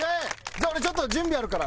じゃあ俺ちょっと準備あるから。